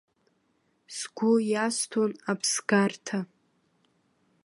Сгәы иасҭон аԥсгарҭа.